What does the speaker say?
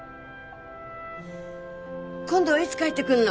今度はいつ帰ってくんの？